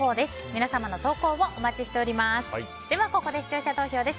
皆様の投稿をお待ちしております。